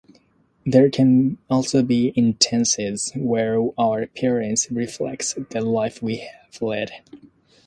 There can also be instances where our appearance reflects the life we have led.